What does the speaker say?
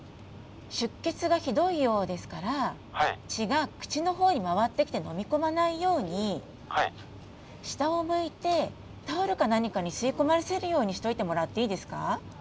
出血がひどいようですから血が口の方に回ってきて飲み込まないように下を向いてタオルか何かに吸い込ませるようにしといてもらっていいですか？